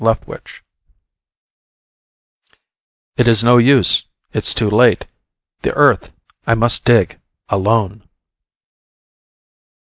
LEFTWICH _It is no use. It's too late. The earth I must dig alone.